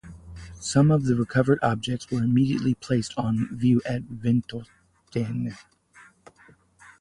Some of the recovered objects were immediately placed on view at Ventotene.